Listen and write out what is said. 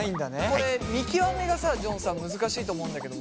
これ見極めがさジョンさん難しいと思うんだけども。